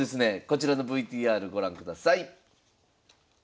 こちらのＶＴＲご覧ください。